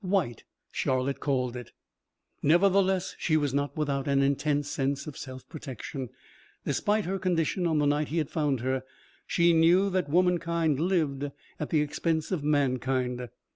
"White," Charlotte called it. Nevertheless she was not without an intense sense of self protection, despite her condition on the night he had found her. She knew that womankind lived at the expense of mankind.